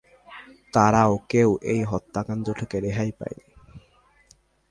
তারাও কেউ এই হত্যাকাণ্ড থেকে রেহাই পায়নি।